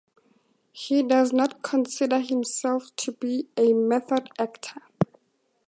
He does not consider himself to be a method actor.